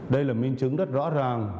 đây là minh chứng rất rõ ràng